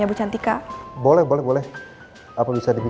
baik kalau gitu